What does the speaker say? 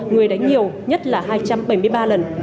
người đánh nhiều nhất là hai trăm bảy mươi ba lần